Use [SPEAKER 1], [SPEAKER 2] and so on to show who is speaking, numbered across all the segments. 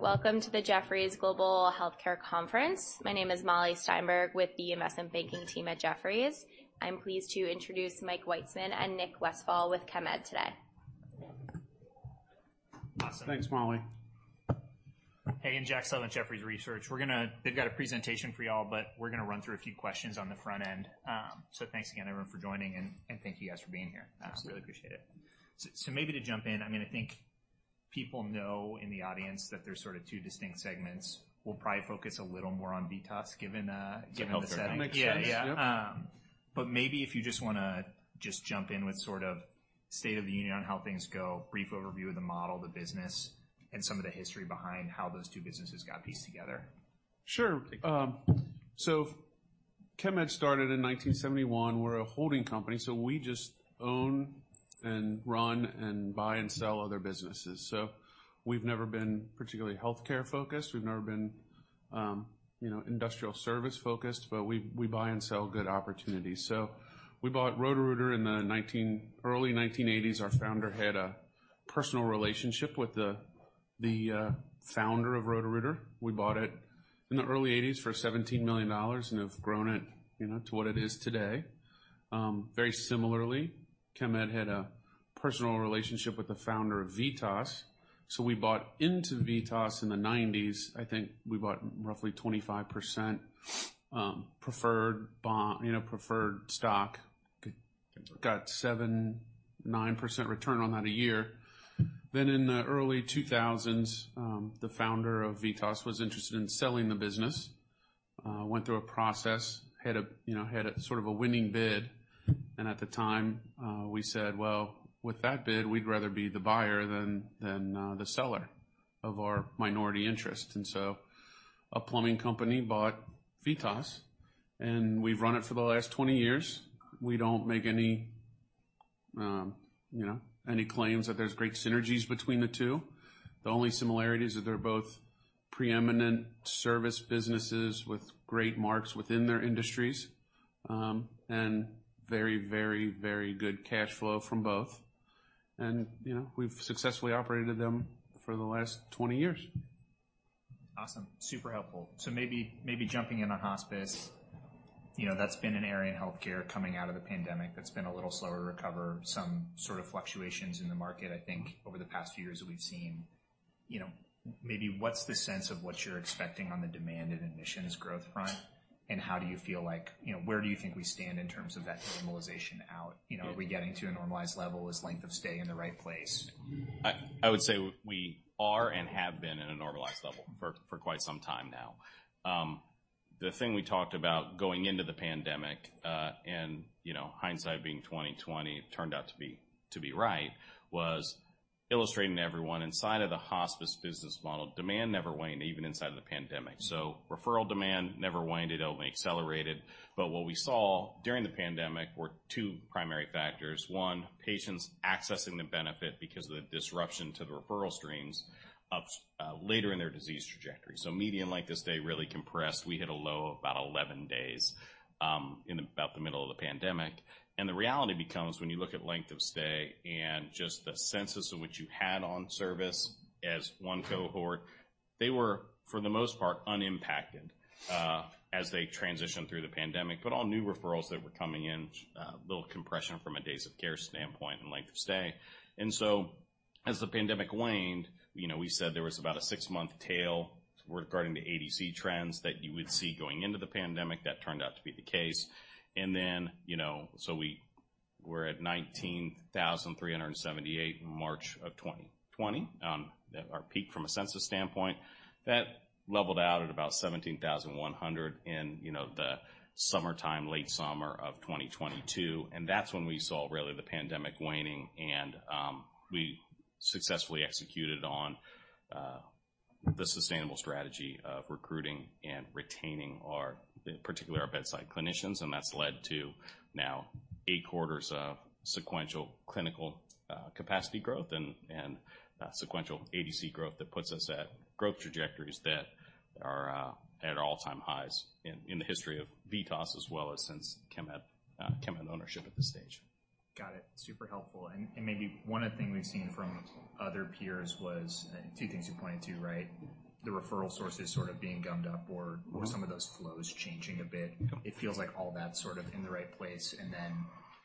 [SPEAKER 1] Welcome to the Jefferies Global Healthcare Conference. My name is Molly Steinberg, with the investment banking team at Jefferies. I'm pleased to introduce Mike Witzeman and Nick Westfall with Chemed today.
[SPEAKER 2] Awesome.
[SPEAKER 3] Thanks, Molly.
[SPEAKER 2] Hey, and Jack Slevin, Jefferies Research. We're gonna—they've got a presentation for you all, but we're gonna run through a few questions on the front end. So thanks again, everyone, for joining, and thank you guys for being here.
[SPEAKER 3] Absolutely.
[SPEAKER 2] Really appreciate it. So maybe to jump in, I mean, I think people know in the audience that there's sort of two distinct segments. We'll probably focus a little more on VITAS, given the setting.
[SPEAKER 3] Makes sense.
[SPEAKER 2] Yeah, yeah. But maybe if you just wanna jump in with sort of state of the union on how things go, brief overview of the model, the business, and some of the history behind how those two businesses got pieced together.
[SPEAKER 3] Sure. So Chemed started in 1971. We're a holding company, so we just own and run and buy and sell other businesses. So we've never been particularly healthcare-focused. We've never been, you know, industrial service-focused, but we buy and sell good opportunities. So we bought Roto-Rooter in the early 1980s. Our founder had a personal relationship with the founder of Roto-Rooter. We bought it in the early eighties for $17 million and have grown it, you know, to what it is today. Very similarly, Chemed had a personal relationship with the founder of VITAS, so we bought into VITAS in the 1990s. I think we bought roughly 25%, preferred bond, you know, preferred stock. Got 7.9% return on that a year. Then in the early 2000s, the founder of VITAS was interested in selling the business, went through a process, had a, you know, had a sort of a winning bid, and at the time, we said: "Well, with that bid, we'd rather be the buyer than the seller of our minority interest." And so a plumbing company bought VITAS, and we've run it for the last 20 years. We don't make any, you know, any claims that there's great synergies between the two. The only similarity is that they're both preeminent service businesses with great marks within their industries, and very, very, very good cash flow from both. And, you know, we've successfully operated them for the last 20 years.
[SPEAKER 2] Awesome. Super helpful. So maybe, maybe jumping in on hospice, you know, that's been an area in healthcare coming out of the pandemic that's been a little slower to recover, some sort of fluctuations in the market, I think, over the past few years that we've seen. You know, maybe what's the sense of what you're expecting on the demand and admissions growth front? And how do you feel like... You know, where do you think we stand in terms of that normalization out? You know, are we getting to a normalized level? Is length of stay in the right place?
[SPEAKER 4] I would say we are and have been at a normalized level for quite some time now. The thing we talked about going into the pandemic, and, you know, hindsight being 20/20, turned out to be right, was illustrating to everyone inside of the hospice business model, demand never waned, even inside of the pandemic. So referral demand never waned, it only accelerated. But what we saw during the pandemic were two primary factors: One, patients accessing the benefit because of the disruption to the referral streams up later in their disease trajectory. So median length of stay really compressed. We hit a low of about 11 days in about the middle of the pandemic. And the reality becomes, when you look at length of stay and just the census of which you had on service as one cohort, they were, for the most part, unimpacted, as they transitioned through the pandemic. But all new referrals that were coming in, a little compression from a days of care standpoint and length of stay. And so as the pandemic waned, you know, we said there was about a six-month tail regarding the ADC trends that you would see going into the pandemic. That turned out to be the case. And then, you know, so we were at 19,378 in March of 2020, our peak from a census standpoint. That leveled out at about 17,100 in, you know, the summertime, late summer of 2022, and that's when we saw really the pandemic waning and, we successfully executed on, the sustainable strategy of recruiting and retaining our, particularly our bedside clinicians, and that's led to now eight quarters of sequential clinical, capacity growth and, sequential ADC growth that puts us at growth trajectories that are, at all-time highs in, the history of VITAS, as well as since Chemed, Chemed ownership at this stage.
[SPEAKER 2] Got it. Super helpful. And maybe one other thing we've seen from other peers was, two things you pointed to, right? The referral sources sort of being gummed up or-
[SPEAKER 4] Mm-hmm.
[SPEAKER 2] or some of those flows changing a bit.
[SPEAKER 4] Yep.
[SPEAKER 2] It feels like all that sort of in the right place. And then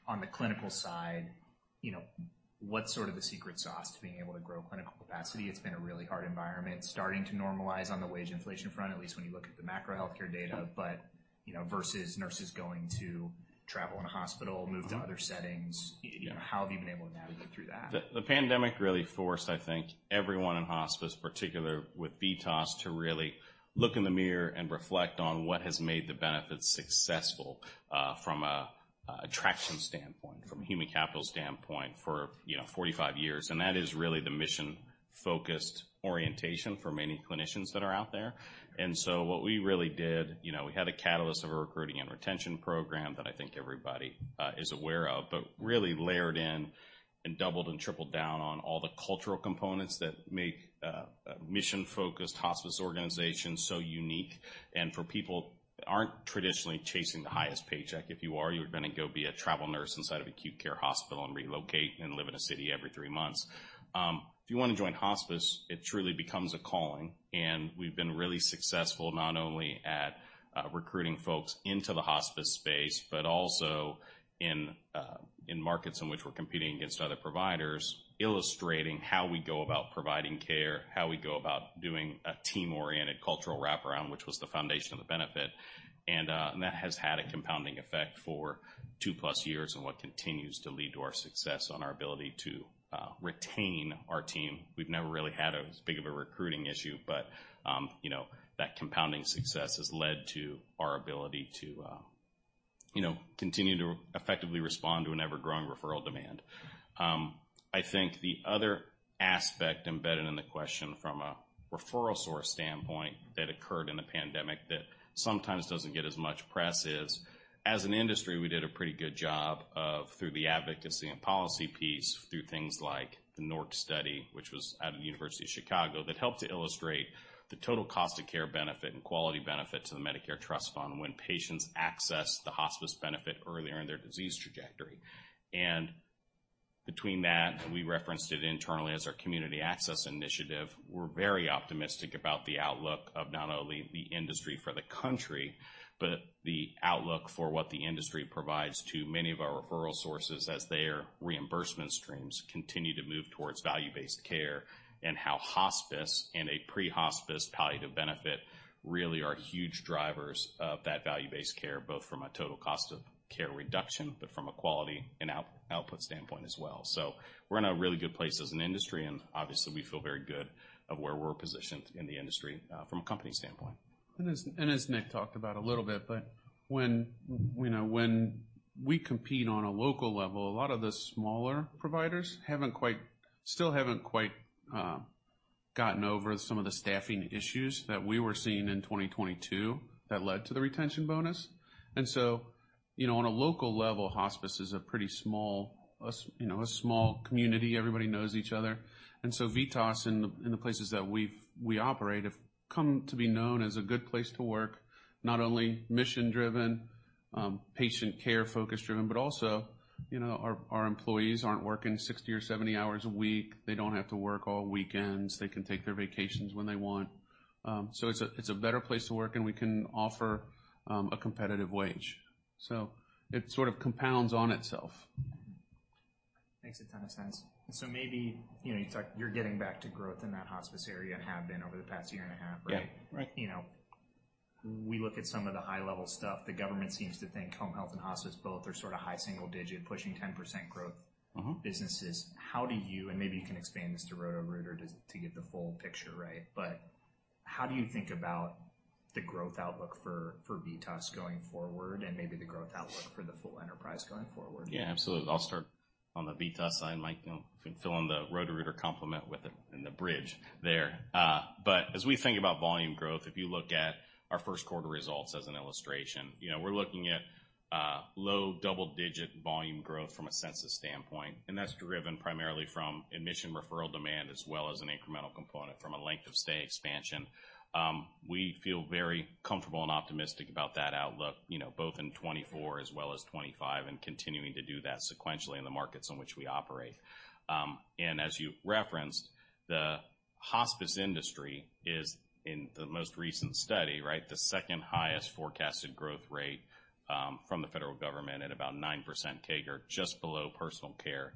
[SPEAKER 2] on the clinical side, you know, what's sort of the secret sauce to being able to grow clinical capacity? It's been a really hard environment, starting to normalize on the wage inflation front, at least when you look at the macro healthcare data.
[SPEAKER 4] Yep.
[SPEAKER 2] you know, versus nurses going to travel in a hospital-
[SPEAKER 4] Mm-hmm.
[SPEAKER 2] move to other settings, you know, how have you been able to navigate through that?
[SPEAKER 4] The pandemic really forced, I think, everyone in hospice, particularly with VITAS, to really look in the mirror and reflect on what has made the benefits successful from a traction standpoint, from a human capital standpoint, you know, for 45 years, and that is really the mission-focused orientation for many clinicians that are out there. And so what we really did, you know, we had a catalyst of a recruiting and retention program that I think everybody is aware of, but really layered in and doubled and tripled down on all the cultural components that make a mission-focused hospice organization so unique. And for people that aren't traditionally chasing the highest paycheck, if you are, you're going to go be a travel nurse inside of acute care hospital and relocate and live in a city every 3 months. If you want to join hospice, it truly becomes a calling, and we've been really successful, not only at recruiting folks into the hospice space, but also in markets in which we're competing against other providers, illustrating how we go about providing care, how we go about doing a team-oriented cultural wraparound, which was the foundation of the benefit. And that has had a compounding effect for 2+ years and what continues to lead to our success on our ability to retain our team. We've never really had as big of a recruiting issue, but you know, that compounding success has led to our ability to, you know, continue to effectively respond to an ever-growing referral demand. I think the other aspect embedded in the question from a referral source standpoint that occurred in the pandemic that sometimes doesn't get as much press is, as an industry, we did a pretty good job of through the advocacy and policy piece, through things like the NORC study, which was out of the University of Chicago, that helped to illustrate the total cost of care benefit and quality benefit to the Medicare Trust Fund when patients access the hospice benefit earlier in their disease trajectory. Between that, we referenced it internally as our community access initiative, we're very optimistic about the outlook of not only the industry for the country, but the outlook for what the industry provides to many of our referral sources as their reimbursement streams continue to move towards value-based care, and how hospice and a pre-hospice palliative benefit really are huge drivers of that value-based care, both from a total cost of care reduction, but from a quality and output standpoint as well. So we're in a really good place as an industry, and obviously, we feel very good of where we're positioned in the industry, from a company standpoint.
[SPEAKER 3] As Nick talked about a little bit, but when, you know, when we compete on a local level, a lot of the smaller providers still haven't quite gotten over some of the staffing issues that we were seeing in 2022 that led to the retention bonus. And so, you know, on a local level, hospice is a pretty small, you know, a small community. Everybody knows each other. And so VITAS, in the places that we operate, have come to be known as a good place to work, not only mission-driven, patient care, focus-driven, but also, you know, our employees aren't working 60 or 70 hours a week. They don't have to work all weekends. They can take their vacations when they want. So it's a better place to work, and we can offer a competitive wage. So it sort of compounds on itself.
[SPEAKER 2] Makes a ton of sense. So maybe, you know, it's like you're getting back to growth in that hospice area and have been over the past year and a half, right?
[SPEAKER 3] Yeah.
[SPEAKER 4] Right.
[SPEAKER 2] You know, we look at some of the high-level stuff. The government seems to think home health and hospice both are sort of high single digit, pushing 10% growth-
[SPEAKER 4] Mm-hmm
[SPEAKER 2] businesses. How do you, and maybe you can expand this to Roto-Rooter to get the full picture, right? But how do you think about the growth outlook for VITAS going forward, and maybe the growth outlook for the full enterprise going forward?
[SPEAKER 4] Yeah, absolutely. I'll start on the VITAS side, Mike, you know, can fill in the Roto-Rooter complement with the in the bridge there. But as we think about volume growth, if you look at our first quarter results as an illustration, you know, we're looking at low double-digit volume growth from a census standpoint, and that's driven primarily from admission referral demand as well as an incremental component from a length of stay expansion. We feel very comfortable and optimistic about that outlook, you know, both in 2024 as well as 2025, and continuing to do that sequentially in the markets in which we operate. And as you referenced, the hospice industry is, in the most recent study, right, the second highest forecasted growth rate from the federal government at about 9% CAGR, just below personal care,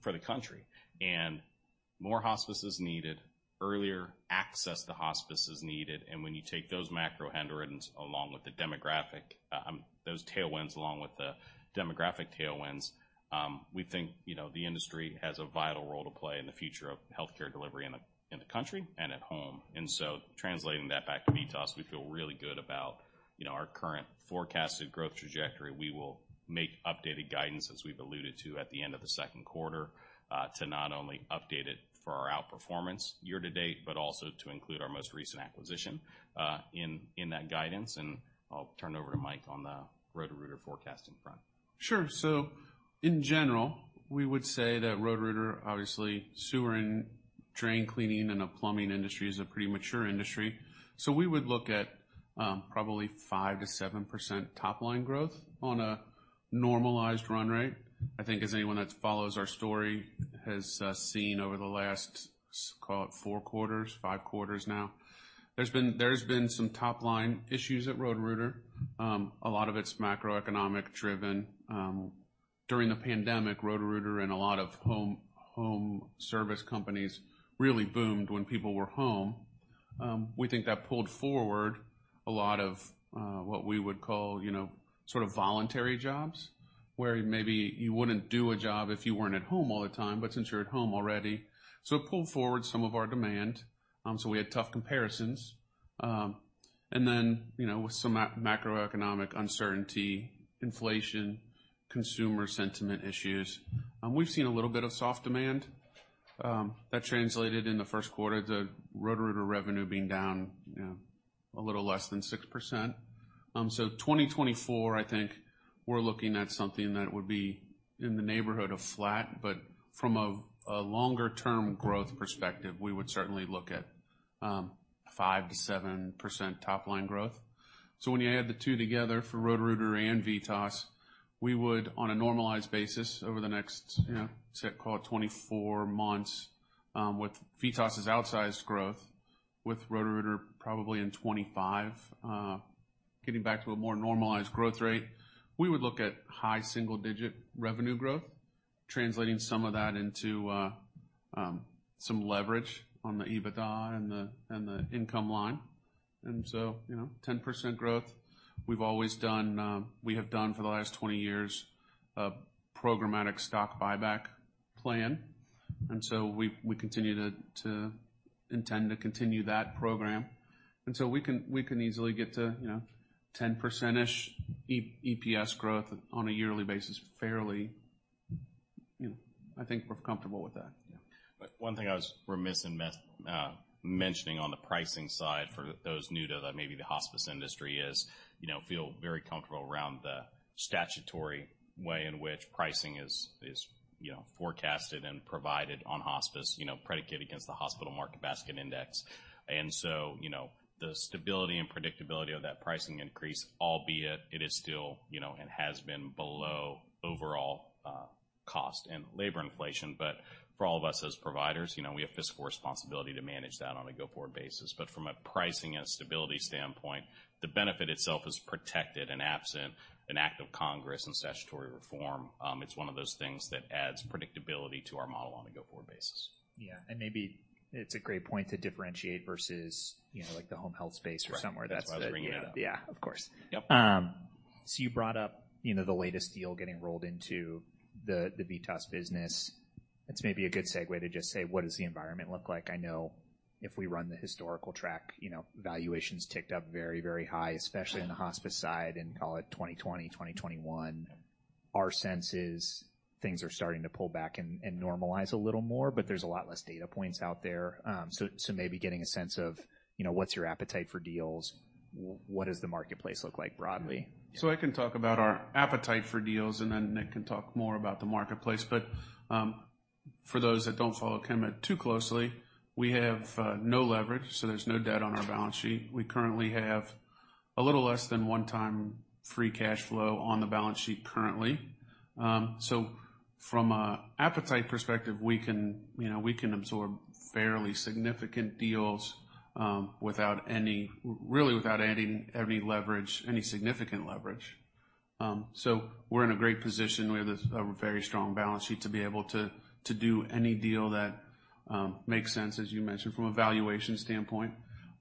[SPEAKER 4] for the country. More hospice is needed, earlier access to hospice is needed, and when you take those macro headwinds along with the demographic tailwinds, we think, you know, the industry has a vital role to play in the future of healthcare delivery in the country and at home. So translating that back to VITAS, we feel really good about, you know, our current forecasted growth trajectory. We will make updated guidance, as we've alluded to, at the end of the second quarter to not only update it for our outperformance year to date, but also to include our most recent acquisition in that guidance. I'll turn it over to Mike on the Roto-Rooter forecasting front. Sure. So in general, we would say that Roto-Rooter, obviously, sewer and drain cleaning and the plumbing industry is a pretty mature industry. So we would look at, probably 5%-7% top-line growth on a normalized run rate. I think as anyone that follows our story has seen over the last, call it 4 quarters, 5 quarters now, there's been some top-line issues at Roto-Rooter. A lot of it's macroeconomic-driven. During the pandemic, Roto-Rooter and a lot of home service companies really boomed when people were home. We think that pulled forward a lot of what we would call, you know, sort of voluntary jobs, where maybe you wouldn't do a job if you weren't at home all the time, but since you're at home already... So it pulled forward some of our demand, so we had tough comparisons. And then, you know, with some macroeconomic uncertainty, inflation, consumer sentiment issues, we've seen a little bit of soft demand, that translated in the first quarter to Roto-Rooter revenue being down, you know, a little less than 6%. So, 2024, I think we're looking at something that would be in the neighborhood of flat, but from a longer-term growth perspective, we would certainly look at 5%-7% top-line growth. So when you add the two together for Roto-Rooter and VITAS, we would, on a normalized basis over the next, you know, say, call it 24 months, with VITAS' outsized growth, with Roto-Rooter probably in 2025, getting back to a more normalized growth rate, we would look at high single-digit revenue growth, translating some of that into some leverage on the EBITDA and the income line. And so, you know, 10% growth, we've always done, we have done for the last 20 years, a programmatic stock buyback plan, and so we continue to intend to continue that program. And so we can easily get to, you know, 10% EPS growth on a yearly basis, fairly. You know, I think we're comfortable with that. Yeah. But one thing I was remiss in mentioning on the pricing side, for those new to the maybe the hospice industry is, you know, feel very comfortable around the statutory way in which pricing is, you know, forecasted and provided on hospice, you know, predicated against the Hospital Market Basket Index. And so, you know, the stability and predictability of that pricing increase, albeit it is still, you know, and has been below overall, cost and labor inflation. But for all of us as providers, you know, we have fiscal responsibility to manage that on a go-forward basis. But from a pricing and stability standpoint, the benefit itself is protected and absent an act of Congress and statutory reform, it's one of those things that adds predictability to our model on a go-forward basis.
[SPEAKER 2] Yeah, and maybe it's a great point to differentiate versus, you know, like the home health space or somewhere that's-
[SPEAKER 4] That's why I was bringing it up.
[SPEAKER 2] Yeah, of course.
[SPEAKER 4] Yep.
[SPEAKER 2] So you brought up, you know, the latest deal getting rolled into the VITAS business. It's maybe a good segue to just say: What does the environment look like? I know if we run the historical track, you know, valuations ticked up very, very high, especially in the hospice side, and call it 2020, 2021. Our sense is things are starting to pull back and normalize a little more, but there's a lot less data points out there. So maybe getting a sense of, you know, what's your appetite for deals? What does the marketplace look like, broadly?
[SPEAKER 3] So I can talk about our appetite for deals, and then Nick can talk more about the marketplace. But, for those that don't follow Chemed too closely, we have no leverage, so there's no debt on our balance sheet. We currently have a little less than 1x free cash flow on the balance sheet currently. So from a appetite perspective, we can, you know, we can absorb fairly significant deals without any really, without adding any leverage, any significant leverage. So we're in a great position. We have a very strong balance sheet to be able to do any deal that makes sense, as you mentioned, from a valuation standpoint.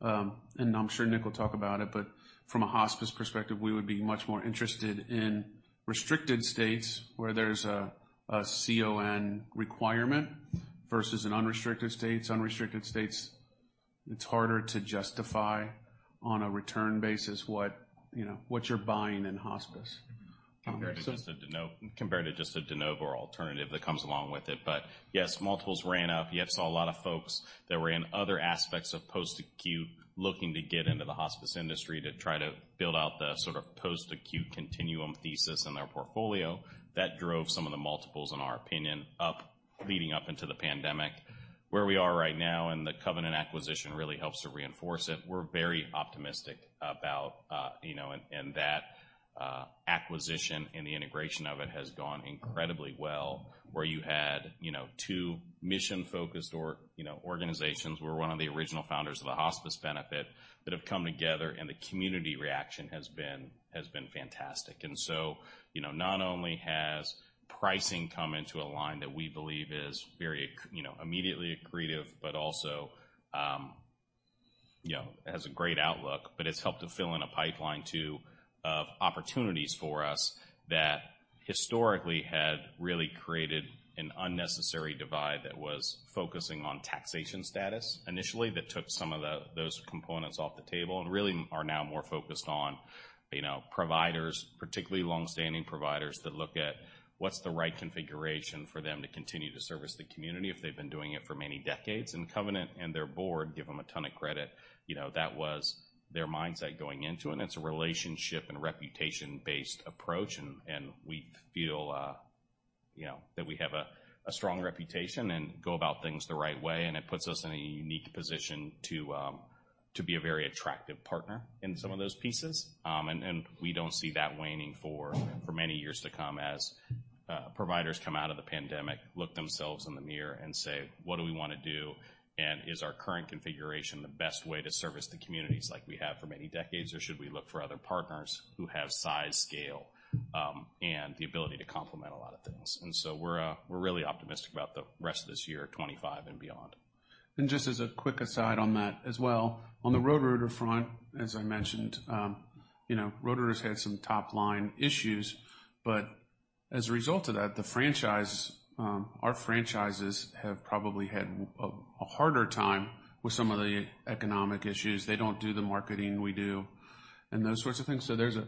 [SPEAKER 3] I'm sure Nick will talk about it, but from a hospice perspective, we would be much more interested in restricted states where there's a CON requirement versus an unrestricted states. Unrestricted states, it's harder to justify on a return basis what, you know, what you're buying in hospice.
[SPEAKER 4] Compared to just a de novo, compared to just a de novo alternative that comes along with it. But yes, multiples ran up. You have saw a lot of folks that were in other aspects of post-acute, looking to get into the hospice industry to try to build out the sort of post-acute continuum thesis in their portfolio. That drove some of the multiples, in our opinion, up leading up into the pandemic. Where we are right now, and the Covenant acquisition really helps to reinforce it, we're very optimistic about, you know. And that acquisition and the integration of it has gone incredibly well, where you had, you know, two mission-focused organizations, where one of the original founders of the hospice benefit that have come together, and the community reaction has been fantastic. And so, you know, not only has pricing come into a line that we believe is very you know, immediately accretive, but also, you know, has a great outlook. But it's helped to fill in a pipeline, too, of opportunities for us that historically had really created an unnecessary divide that was focusing on taxation status initially, that took some of the, those components off the table and really are now more focused on, you know, providers, particularly long-standing providers, that look at what's the right configuration for them to continue to service the community if they've been doing it for many decades. And Covenant and their board give them a ton of credit. You know, that was their mindset going into it, and it's a relationship and reputation-based approach, and we feel, you know, that we have a strong reputation and go about things the right way, and it puts us in a unique position to be a very attractive partner in some of those pieces. And we don't see that waning for many years to come as providers come out of the pandemic, look themselves in the mirror and say: What do we want to do? And is our current configuration the best way to service the communities like we have for many decades, or should we look for other partners who have size, scale, and the ability to complement a lot of things? And so we're really optimistic about the rest of this year, 2025 and beyond. Just as a quick aside on that as well, on the Roto-Rooter front, as I mentioned, you know, Roto-Rooter has had some top-line issues. As a result of that, the franchise, our franchises have probably had a harder time with some of the economic issues. They don't do the marketing we do and those sorts of things. So there's a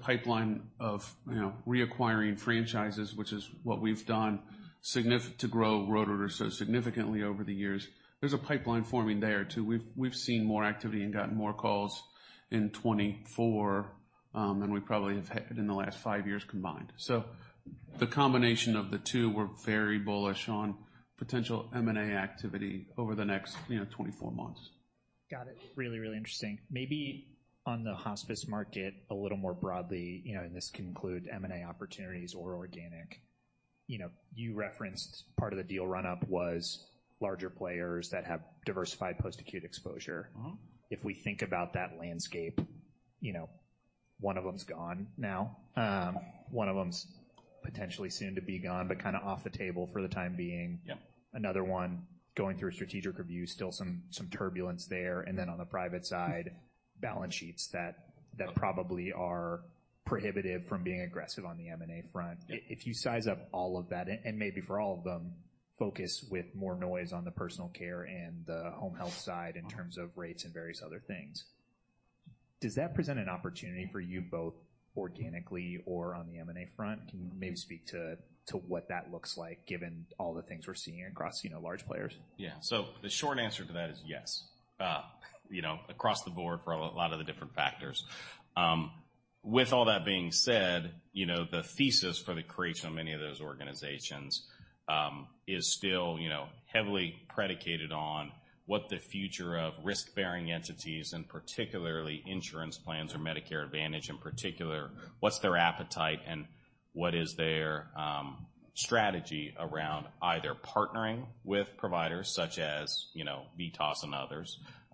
[SPEAKER 4] pipeline of, you know, reacquiring franchises, which is what we've done significantly to grow Roto orders so significantly over the years. There's a pipeline forming there, too. We've seen more activity and gotten more calls in 2024 than we probably have had in the last five years combined. So the combination of the two, we're very bullish on potential M&A activity over the next, you know, 24 months.
[SPEAKER 2] Got it. Really, really interesting. Maybe on the hospice market, a little more broadly, you know, and this can include M&A opportunities or organic. You know, you referenced part of the deal run-up was larger players that have diversified post-acute exposure.
[SPEAKER 3] Mm-hmm.
[SPEAKER 2] If we think about that landscape, you know, one of them's gone now. One of them's potentially soon to be gone, but kinda off the table for the time being.
[SPEAKER 3] Yep.
[SPEAKER 2] Another one going through a strategic review, still some turbulence there. Then on the private side, balance sheets that probably are prohibitive from being aggressive on the M&A front.
[SPEAKER 3] Yep.
[SPEAKER 2] If you size up all of that, and maybe for all of them, focus with more noise on the personal care and the home health side in terms of rates and various other things, does that present an opportunity for you, both organically or on the M&A front? Can you maybe speak to what that looks like, given all the things we're seeing across, you know, large players?
[SPEAKER 4] Yeah. So the short answer to that is yes, you know, across the board, for a lot of the different factors. With all that being said, you know, the thesis for the creation of many of those organizations is still, you know, heavily predicated on what the future of risk-bearing entities, and particularly insurance plans or Medicare Advantage, in particular, what's their appetite and what is their strategy around either partnering with providers such as, you know, VITAS and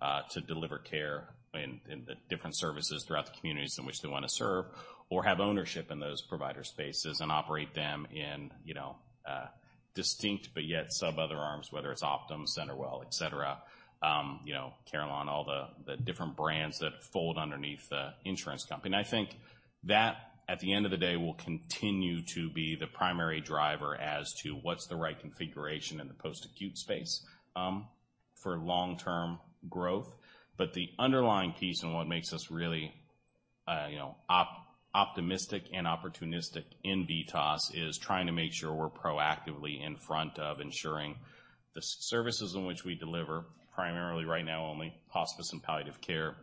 [SPEAKER 4] others, to deliver care in the different services throughout the communities in which they wanna serve, or have ownership in those provider spaces and operate them in, you know, distinct, but yet sub-other arms, whether it's Optum, CenterWell, et cetera. You know, Carelon, all the different brands that fold underneath the insurance company. I think that, at the end of the day, will continue to be the primary driver as to what's the right configuration in the post-acute space, for long-term growth. But the underlying piece, and what makes us really, optimistic and opportunistic in VITAS, is trying to make sure we're proactively in front of ensuring the services in which we deliver, primarily right now, only hospice and palliative care,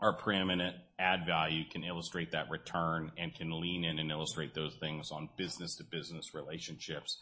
[SPEAKER 4] are preeminent, add value, can illustrate that return, and can lean in and illustrate those things on business-to-business relationships.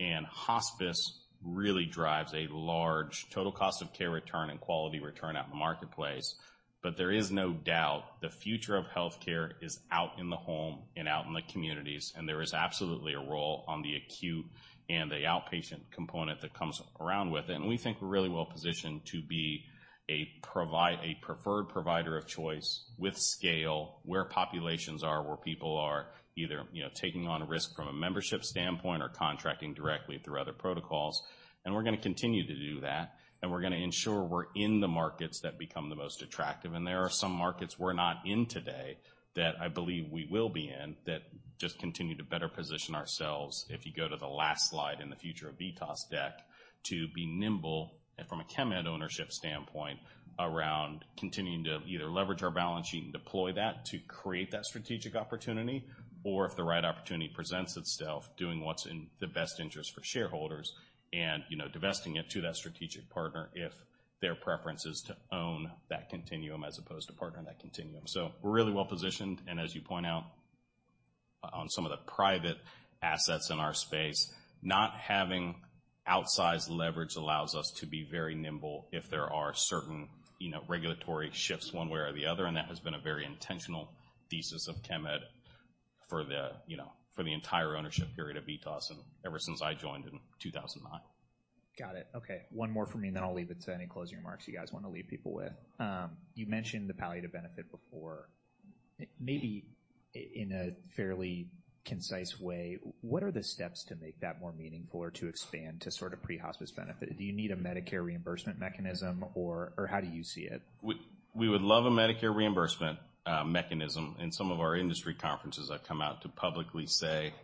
[SPEAKER 4] And hospice really drives a large total cost of care return and quality return at the marketplace. But there is no doubt the future of healthcare is out in the home and out in the communities, and there is absolutely a role on the acute and the outpatient component that comes around with it. We think we're really well positioned to be a preferred provider of choice with scale, where populations are, where people are either, you know, taking on a risk from a membership standpoint or contracting directly through other protocols, and we're gonna continue to do that. We're gonna ensure we're in the markets that become the most attractive. And there are some markets we're not in today that I believe we will be in, that just continue to better position ourselves, if you go to the last slide in the future of VITAS deck, to be nimble and from a Chemed ownership standpoint, around continuing to either leverage our balance sheet and deploy that to create that strategic opportunity, or if the right opportunity presents itself, doing what's in the best interest for shareholders and, you know, divesting it to that strategic partner if their preference is to own that continuum as opposed to partnering that continuum. So we're really well positioned, and as you point out, on some of the private assets in our space, not having outsized leverage allows us to be very nimble if there are certain, you know, regulatory shifts one way or the other. That has been a very intentional thesis of Chemed for the, you know, for the entire ownership period of VITAS and ever since I joined in 2009.
[SPEAKER 2] Got it. Okay, one more from me, and then I'll leave it to any closing remarks you guys wanna leave people with. You mentioned the palliative benefit before. Maybe in a fairly concise way, what are the steps to make that more meaningful or to expand to sort of pre-hospice benefit? Do you need a Medicare reimbursement mechanism, or, or how do you see it?
[SPEAKER 4] We would love a Medicare reimbursement mechanism. In some of our industry conferences, I've come out to publicly say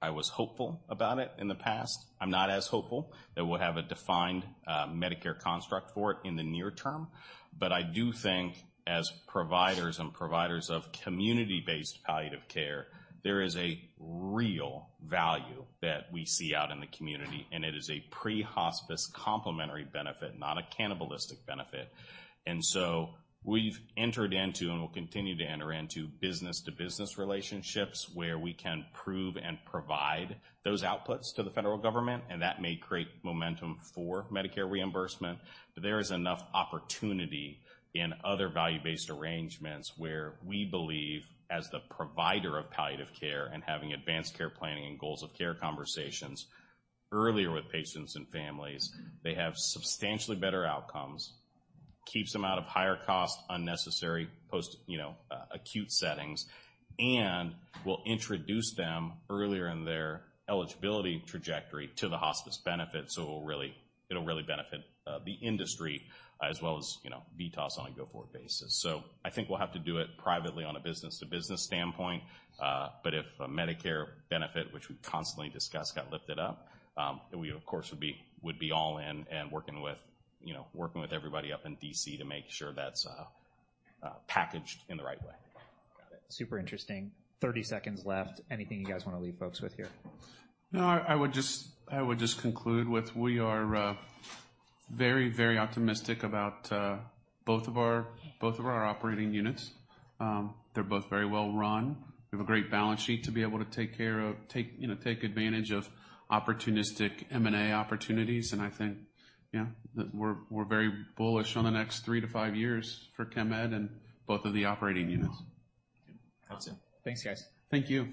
[SPEAKER 4] I was hopeful about it in the past. I'm not as hopeful that we'll have a defined Medicare construct for it in the near term. But I do think as providers and providers of community-based palliative care, there is a real value that we see out in the community, and it is a pre-hospice complementary benefit, not a cannibalistic benefit. And so we've entered into, and will continue to enter into, business-to-business relationships, where we can prove and provide those outputs to the federal government, and that may create momentum for Medicare reimbursement. But there is enough opportunity in other value-based arrangements where we believe, as the provider of palliative care and having advanced care planning and goals of care conversations earlier with patients and families, they have substantially better outcomes, keeps them out of higher-cost, unnecessary post-acute, you know, settings, and will introduce them earlier in their eligibility trajectory to the hospice benefit. So it'll really, it'll really benefit, the industry as well as, you know, VITAS on a go-forward basis. So I think we'll have to do it privately on a business-to-business standpoint. But if a Medicare benefit, which we constantly discuss, got lifted up, we, of course, would be, would be all in and working with, you know, working with everybody up in D.C. to make sure that's packaged in the right way.
[SPEAKER 2] Got it. Super interesting. 30 seconds left. Anything you guys wanna leave folks with here?
[SPEAKER 3] No, I would just conclude with, we are very, very optimistic about both of our operating units. They're both very well-run. We have a great balance sheet to be able to, you know, take advantage of opportunistic M&A opportunities, and I think, yeah, we're very bullish on the next three to five years for Chemed and both of the operating units.
[SPEAKER 2] Awesome. Thanks, guys.
[SPEAKER 3] Thank you.